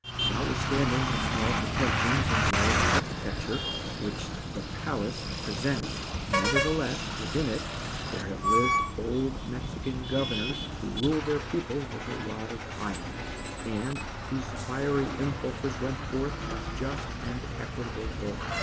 Notwithstanding the small pretensions in the way of architecture which the Palace presents, nevertheless, within it, there have lived old Mexican governors who ruled their people with a rod of iron, and whose fiery impulses went forth as just and equitable law.